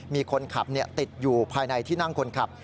มีคนขับติดอยู่ภายในที่นั่งคนขับ